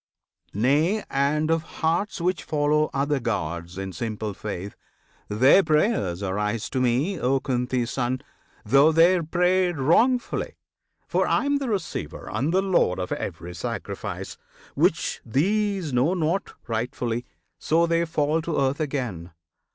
Nay, and of hearts which follow other gods In simple faith, their prayers arise to me, O Kunti's Son! though they pray wrongfully; For I am the Receiver and the Lord Of every sacrifice, which these know not Rightfully; so they fall to earth again!